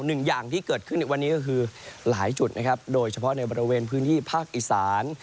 อย่างที่เกิดขึ้นในวันนี้ก็คือหลายจุดนะครับโดยเฉพาะในบริเวณพื้นที่ภาคอีสาน